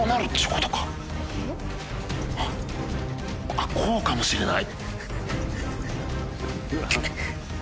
あっこうかもしれない。